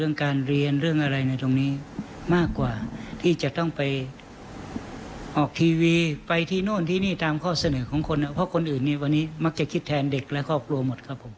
นี้มักจะคิดแทนเด็กและครอบครัวหมดครับผม